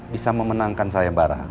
bisa memenangkan saya barah